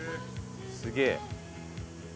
すげえ。